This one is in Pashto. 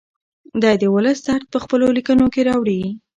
دی د ولس درد په خپلو لیکنو کې راوړي.